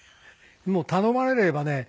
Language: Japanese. もう頼まれればね